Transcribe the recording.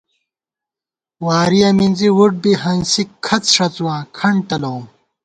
وارِیَہ مِنزی وُٹ بی ہنسِک کھڅ ݭَڅُواں کھنٹ تلَوُم